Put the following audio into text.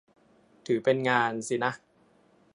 ถือเป็นงานสินะ